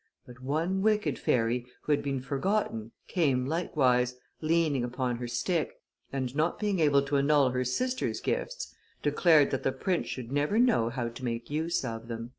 But one wicked fairy, who had been forgotten, came likewise, leaning upon her stick, and not being able to annul her sisters' gifts, declared that the prince should never know how to make use of them."